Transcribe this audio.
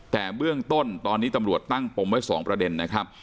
แต่เบื้องต้นตอนนี้ตำรวจตั้งปมไว้๒ประเด็นนะครับ